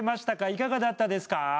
いかがだったですか？